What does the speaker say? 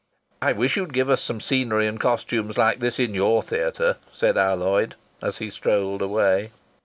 "I wish you'd give us some scenery and costumes like this in your theatre," said Alloyd, as he strolled away.